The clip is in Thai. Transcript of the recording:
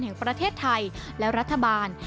แห่งประเทศไทยและรัฐบาล